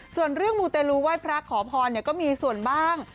ส่วนเรื่องมูเตลูไหว้พระขอพรก็มีส่วนบ้าง